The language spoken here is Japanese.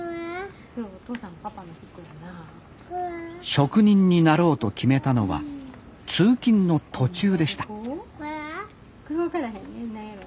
職人になろうと決めたのは通勤の途中でしたこれは？